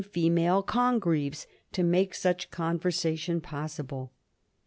female Congreves to make such conversation possible.